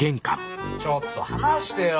ちょっと離してよ！